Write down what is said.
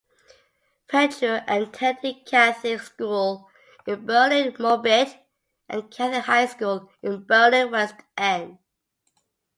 Petruo attended Catholic school in Berlin-Moabit, and Catholic high school in Berlin-Westend.